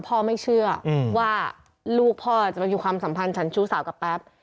พ่อไม่เชื่อว่าลูกพ่อจะมามีความสัมพันธ์ฉันชู้สาวกับแป๊บ